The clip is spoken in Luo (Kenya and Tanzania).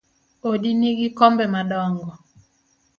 Odi nigi kombe madongo